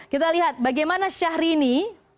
kita lihat bagaimana syahrini